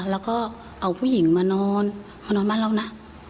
แล้วก็เอาผู้หญิงมานอนมานอนบ้านเรานะ